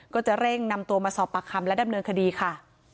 ก็จะเร่งนำตัวมาสอบปากคำและดำเนินคดีค่ะ